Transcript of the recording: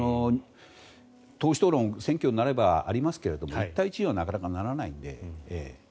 党首討論選挙になればありますけれども１対１にはなかなかならないので。